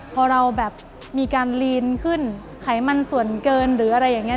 พอเราแบบมีการลีนขึ้นไขมันส่วนเกินหรืออะไรอย่างนี้